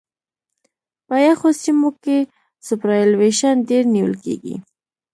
په یخو سیمو کې سوپرایلیویشن ډېر نیول کیږي